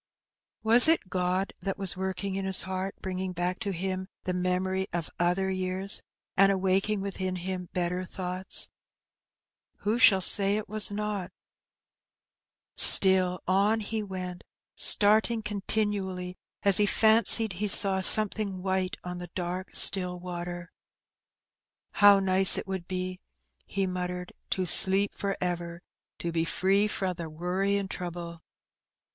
Was it God that was working in his heart, bringing back to him the memories of other years, and awaking within him better thoughts ? Who shall say it was not ? Still on he went, starting continually as he fancied he saw something white on the dark still water. ''How nice it would be," he muttered, " to sleep for ever ! to be free fra the worry an^ trouble."